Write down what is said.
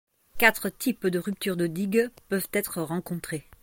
Quatre types de ruptures de digues peuvent être rencontrés.